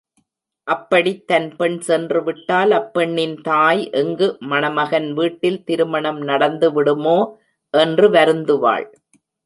அப்படித் தன் பெண் சென்று விட்டால், அப்பெண்ணின் தாய், எங்கு மணமகன் வீட்டில் திருமணம் நடந்துவிடுமோ என்று வருந்துவாள்.